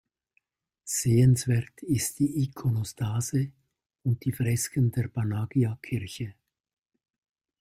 Sehenswert ist die Ikonostase und die Fresken der Panagia-Kirche.